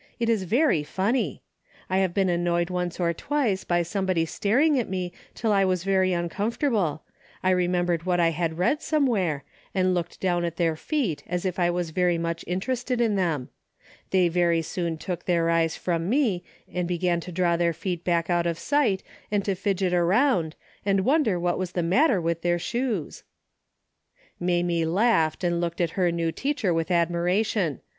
It is 'Very funny. I have been annoyed once or twice by somebody staring at me till I was very uncomfortable. I remembered what I had read somewhere, and looked down at their feet as if I was very much interested in them. They very soon took their eyes from me and began to draw their feet back out of sight and to fidget around and wonder what was the matter with their shoes." Mamie laughed and looked at her new teacher with admiration.